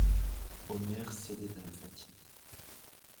Omer cédait à la fatigue.